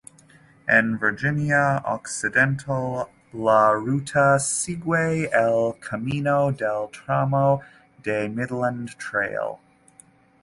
En Virginia Occidental, la ruta sigue el camino del tramo de Midland Trail.